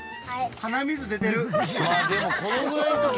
鼻水出てる。